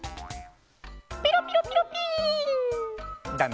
「ピロピロピロピ」だね。